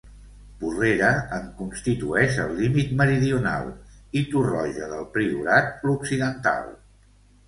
Porrera en constitueix el límit meridional, i Torroja del Priorat l'occidental.